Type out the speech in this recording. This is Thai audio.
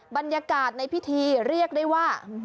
บรรยากาศในพิธีเรียกได้ว่า